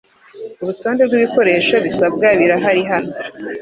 Urutonde rwibikoresho bisabwa birahari hano.